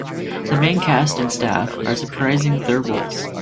The main cast and staff are reprising their roles.